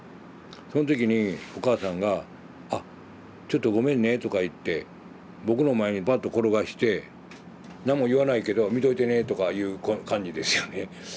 その時にお母さんが「あちょっとごめんね」とか言って僕の前にばっと転がしてなんも言わないけど見といてねとかいう感じですよね。